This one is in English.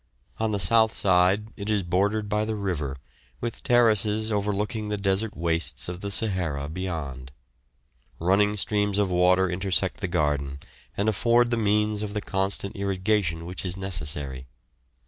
On the south side it is bordered by the river, with terraces overlooking the desert wastes of the Sahara beyond; running streams of water intersect the garden and afford the means of the constant irrigation which is necessary.